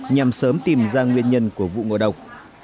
nhằm sớm tìm ra nguyên nhân của vụ ngộ độc